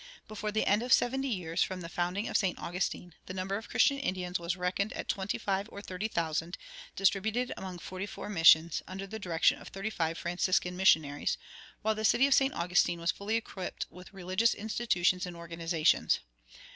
Before the end of seventy years from the founding of St. Augustine the number of Christian Indians was reckoned at twenty five or thirty thousand, distributed among forty four missions, under the direction of thirty five Franciscan missionaries, while the city of St. Augustine was fully equipped with religious institutions and organizations.